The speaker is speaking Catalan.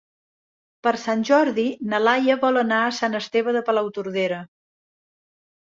Per Sant Jordi na Laia vol anar a Sant Esteve de Palautordera.